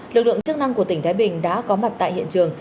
lực lượng chức năng của tỉnh thái bình đã có mặt tại hiện trường